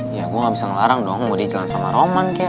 ya gue gak bisa ngelarang dong mau diinjalan sama roman kek